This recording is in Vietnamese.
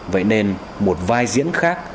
vậy nên một vai diễn khác